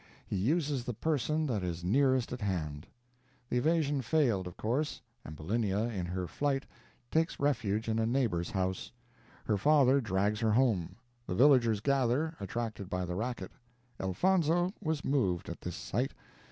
He uses the person that is nearest at hand. The evasion failed, of course. Ambulinia, in her flight, takes refuge in a neighbor's house. Her father drags her home. The villagers gather, attracted by the racket. Elfonzo was moved at this sight.